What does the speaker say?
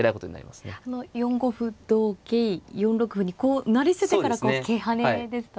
４五歩同桂４六歩にこう成り捨ててからこう桂跳ねですとか。